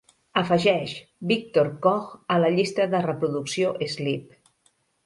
Afegeix wiktor coj a la llista de reproducció Sleep.